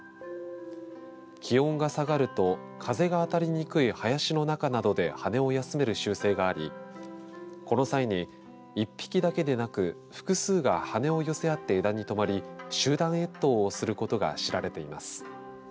気温が下がると風が当たりにくい林の中などで羽を休める習性がありこの際に１匹だけでなく複数が羽を寄せ合って枝に止まり集団越冬をすることが知られています。